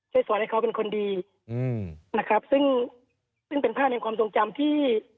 ให้สอนให้เขาเป็นคนดีซึ่งเป็นผ้าในความทรงจำที่